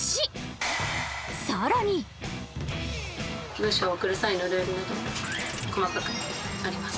文章を送る際のルールなども細かくあります。